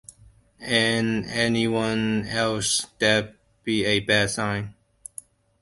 In any one else that'd be a bad sign.